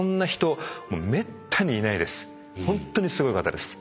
ホントにすごい方です。